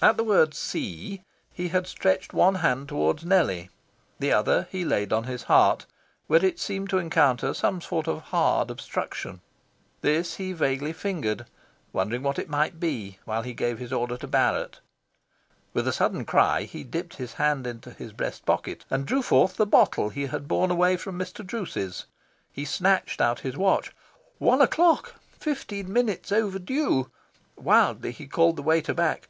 At the word "See" he had stretched one hand towards Nellie; the other he had laid on his heart, where it seemed to encounter some sort of hard obstruction. This he vaguely fingered, wondering what it might be, while he gave his order to Barrett. With a sudden cry he dipped his hand into his breast pocket and drew forth the bottle he had borne away from Mr. Druce's. He snatched out his watch: one o'clock! fifteen minutes overdue. Wildly he called the waiter back.